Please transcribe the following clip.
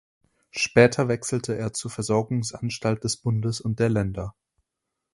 Später wechselte er zur Versorgungsanstalt des Bundes und der Länder.